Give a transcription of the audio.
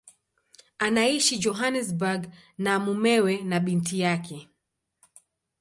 Anaishi Johannesburg na mumewe na binti yake.